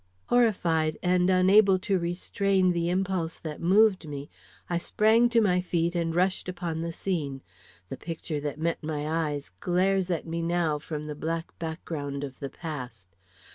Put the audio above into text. Horrified, and unable to restrain the impulse that moved me, I sprang to my feet and rushed upon the scene. The picture that met my eyes glares at me now from the black background of the past.